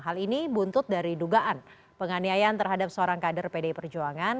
hal ini buntut dari dugaan penganiayaan terhadap seorang kader pdi perjuangan